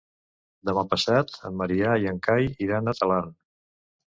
Demà passat en Maria i en Cai iran a Talarn.